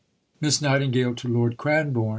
(_Miss Nightingale to Lord Cranborne.